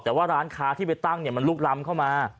แต่ว่าร้านค้าที่ไปตั้งมันลุกล้ำเข้ามา